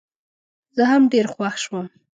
زه هم ډېر خوښ شوم.